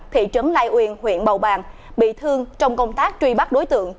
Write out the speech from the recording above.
thị trấn lai uyên huyện bầu bàng bị thương trong công tác truy bắt đối tượng